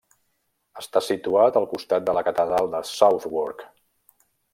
Està situat al costat de la catedral de Southwark.